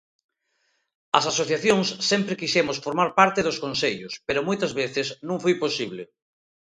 As asociacións sempre quixemos formar parte dos consellos, pero moitas veces non foi posible.